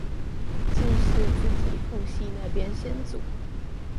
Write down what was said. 既是自己父系那邊先祖